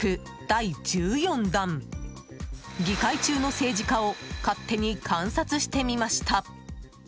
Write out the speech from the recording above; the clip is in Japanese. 第１４弾議会中の政治家を勝手に観察してみました！